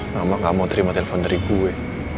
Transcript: mama gak mau terima telepon dari gue